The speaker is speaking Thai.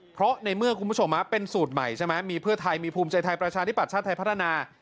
เพราะในเมื่อคุณผู้ชมเป็นสูตรใหม่ใช่ไหมมีเพื่อไทยมีภูมิใจไทยประชาธิบัติชาติไทยพัฒนา